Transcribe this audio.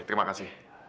oke terima kasih